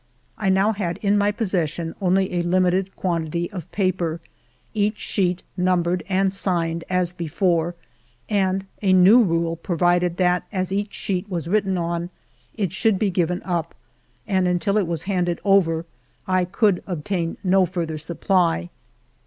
I now had in my possession only a limited quantity of paper, each sheet numbered and signed as before, and a new rule provided that as each sheet was written on, it should be given up, and until it was handed over I could obtain no further supply.